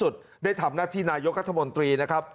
ได้ทำหน้าที่นายกรัฐมนตรีนะครับ